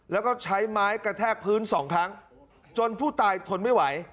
แล้วก็ใช้ไม้กระแทกพื้นสองครั้งจนผู้ตายทนไม่ไหว